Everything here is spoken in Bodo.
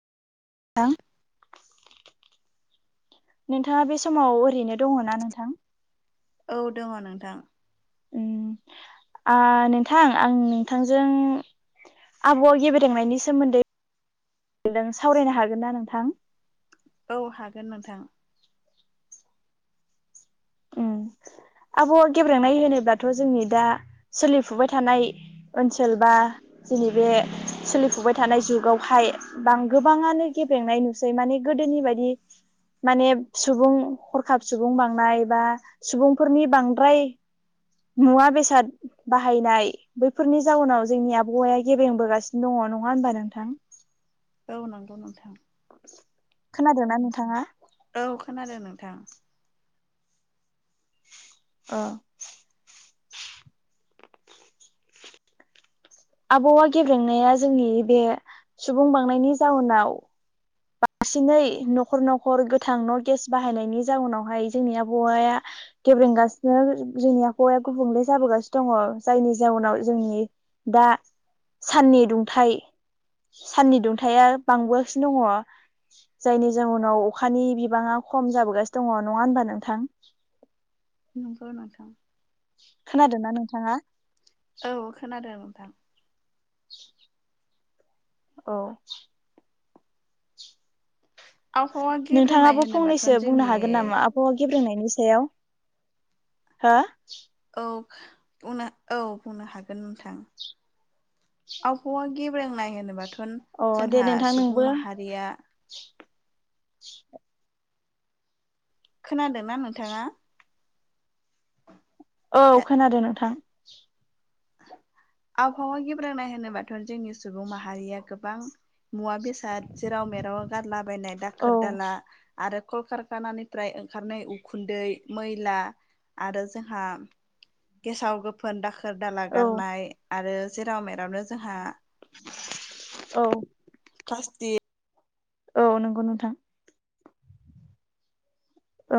थां नोंथांङा बे समाव ओरैनो दङ ना नोंथां? औ दङ नोंथां उम आ नोंथां आं नोंथांजों आबहावा गेब्रेंनायनि सोमोन्दै [unintelligible] सावरायनो हागोन ना नोंथां? औ हागोन नोंथां। उम आबहावा गेब्रेंनाय होनोब्लाथ जोंनि दा सोलिफुबाय थानाय। ओनसोल बा जोंनि बे सोलिफुबाय थानाय जुगावहाय। बां गोबाङानो गेबेंनाय नुसै माने गोदोनि बायदि माने सुबुं हरखाब सुबुं बांनाय बा सुबुंफोरनि बांद्राय मुवा बेसाद, बाहायनाय बैफोरनि जाउनाव जोंनि आबहावाया गेबेंबोगासिनो दङ नङा होनबा नोंथां? औ नांगौ नोंथां। खोनादोंना नोंथाङा? औ खोनादों नोंथां। ओ आबहावा गेब्रेंनाया जोंनि बे सुबुं बांनायनि जाउनाव बांसिनै नखर नखर गोथां न गेस बाहायनायनि जाउनाव हाय जोंनि आबहावाया गेब्रेंगासिनो जोंनि आबहावाया गुबुंले जाबोगासिनो दङ जायनि जाउनाव जोंनि - दा साननि दुंथाइ साननि दुंथाया बांबोगासिनो दङ। जायनि जउनाव अखानि बिबाङा खम जाबोगासिनो दङ नङा होनबा नोंथां? नोंगौ नोंथां। खोनादों ना नोंथाङा? औ खोनादों नोंथां। [inaudible] औ आबहावा गेब्रेनाय नोंथाङाबो होनोबाथ' फंनैसो बुंनो जोंनि हागोन नामा आबहावा गेब्रोंनायनि सायाव हो? औ बुंनो औ बुंनो हागोन नोंथां। आबहावा गेब्रोंनाय होनोबाथ' अ दे जोंहा नोंथां सुबुं नोंबो माहारिया। खोनादोंना नोंथाङा? औ खोनादों नोंथां। [inaudible] आबहावा गेब्रांनाय होनोबाथ' जोंनि सुबुं माहारिया गोबां मुवा बेस थार जेराव मेराव गारलाबायनाय औ दाखोर दाला। आरो कलकारखानानिफ्राय ओंखारनाय उखुन्दै मैला। आरो जोंहा गेसाव गोफोन दाखोर दाला औ गारनाय आरो जेराव मेरावनो जोंहा औ फ्लासथिग। औ नंगौ नोंथां। औ